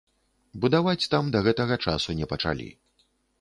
Будаваць там да гэтага часу не пачалі.